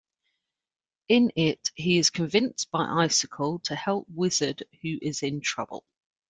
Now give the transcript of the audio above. In it, he is convinced by Icicle to help Wizard, who is in trouble.